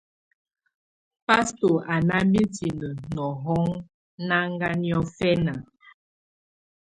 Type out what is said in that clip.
Pasto á nà mitinǝ́ nɔhɔŋnaga niɔ̀fɛ̀na.